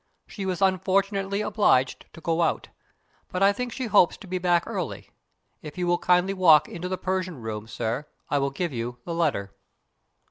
She was unfortunately obliged to go out; but I think she hopes to be back early. If you will kindly walk into the Persian room, sir, I will give you the letter."